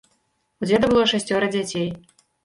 У дзеда было шасцёра дзяцей.